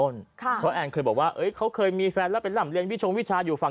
หนูจะเอาอะไรหนูอยากได้เสื้อผ้าสีอะไรชุดสีอะไร